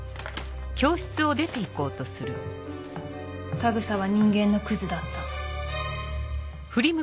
田草は人間のクズだった。